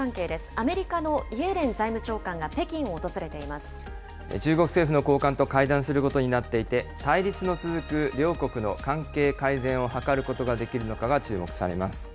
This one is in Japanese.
アメリカのイエレン財務長官が北中国政府の高官と会談することになっていて、対立の続く両国の関係改善を図ることができるのかが注目されます。